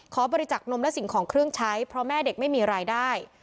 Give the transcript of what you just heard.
บริจักษ์นมและสิ่งของเครื่องใช้เพราะแม่เด็กไม่มีรายได้